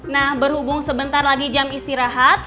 nah berhubung sebentar lagi jam istirahat